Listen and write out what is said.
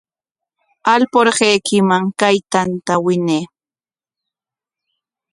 Alpurhaykiman kay tanta winay.